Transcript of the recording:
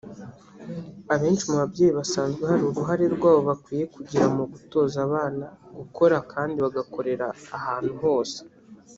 abenshi mu babyeyi basanze hari uruhare rwabo bakwiye kugira mu gutoza abana gukora kandi bagakorera ahantu hose